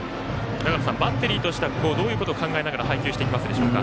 長野さん、バッテリーとしてはどういうことを考えながら配球していきますでしょうか。